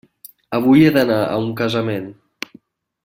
Avui he d'anar a un casament.